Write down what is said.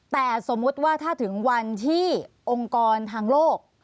แต่สมมุติว่าถ้าถึงวันที่องค์กรทางโลก